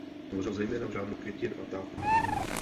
Tvořil zejména v žánru květin a ptáků.